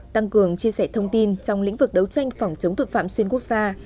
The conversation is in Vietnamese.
tăng cường chia sẻ thông tin trong lĩnh vực đấu tranh phòng chống tội phạm xuyên quốc gia